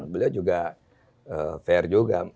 beliau juga fair juga